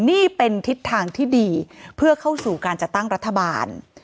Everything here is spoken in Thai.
นี่เป็นทิศทางที่ดีเพื่อเข้าสู่การจัดตั้งรัฐบาล